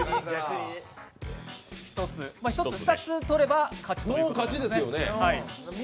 ２つ取れば勝ちということです。